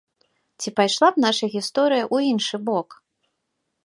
Ці пайшла б наша гісторыя ў іншы бок?